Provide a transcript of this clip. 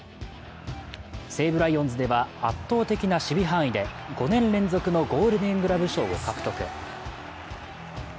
西武ライオンズでは圧倒的な守備範囲で５年連続のゴールデングラブ賞を獲得。